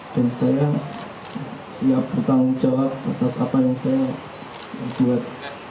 dan saya siap bertanggung jawab atas apa yang saya buat